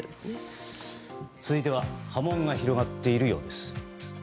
続いては波紋が広がっているようです。